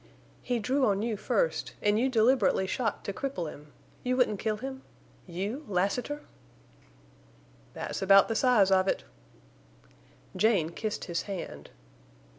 "He drew on you first, and you deliberately shot to cripple him—you wouldn't kill him—you—Lassiter?" "That's about the size of it." Jane kissed his hand.